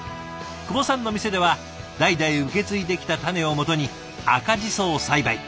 久保さんの店では代々受け継いできた種をもとに赤ジソを栽培。